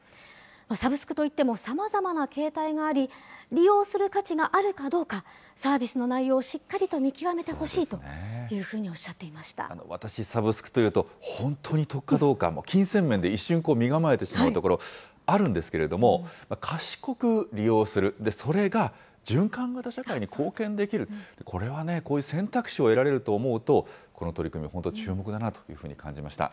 サブスクといっても、さまざまな形態があり、利用する価値があるかどうか、サービスの内容をしっかりと見極めてほしいというふう私、サブスクというと、本当に得かどうか、金銭面で一瞬身構えてしまうところあるんですけれども、賢く利用する、それが循環型社会に貢献できる、これはね、こういう選択肢を得られると思うと、この取り組み、本当、注目だなというふうに感じました。